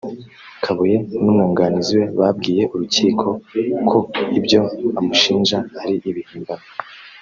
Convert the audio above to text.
Kabuye n’ umwunganizi we babwiye urukiko ko ibyo bamushinja ari ibihimbano